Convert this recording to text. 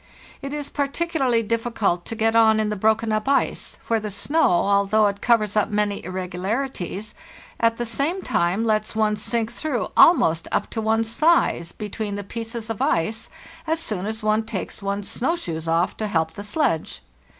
It is par ticularly difficult to get on in the broken up ice, where the snow, although it covers up many irregularities, at the same time lets one sink through almost up to one's thighs between the pieces of ice as soon as one takes one's snow shoes off to help the sledge.